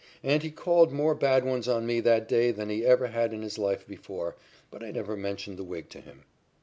And he called more bad ones on me that day than he ever had in his life before, but I never mentioned the wig to him.